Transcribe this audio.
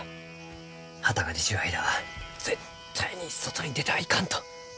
旗が出ちゅう間は絶対に外に出てはいかんと。